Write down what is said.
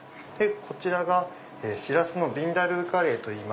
こちらがシラスのビンダルカレー。